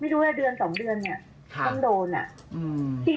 ไม่รู้แล้วเดือนสองเดือนนี่ต้องโดนอะ